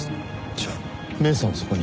じゃあ芽依さんはそこに？